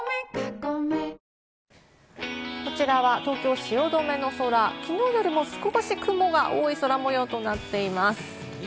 こちらは東京・汐留の空、きのうよりも少し雲が多い空模様となっています。